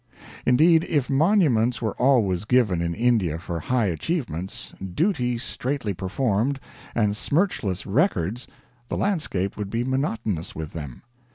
Indeed, if monuments were always given in India for high achievements, duty straitly performed, and smirchless records, the landscape would be monotonous with them.